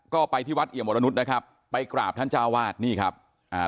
ก็ไปที่วัดเอี่ยมวรณุษย์ไปกราบท่านจาวาส